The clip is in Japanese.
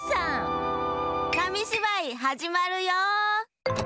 かみしばいはじまるよ！